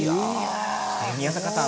宮坂さん